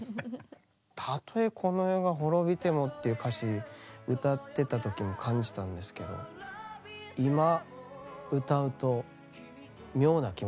「たとえこの世が滅びても」っていう歌詞歌ってた時も感じたんですけど今歌うと妙な気持ちにやっぱなりましたねうん。